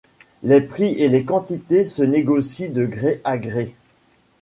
Les prix et les quantités se négocient de gré à gré.